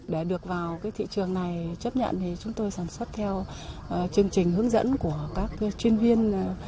để được vào thị trường này chấp nhận thì chúng tôi sản xuất theo chương trình hướng dẫn của các chuyên viên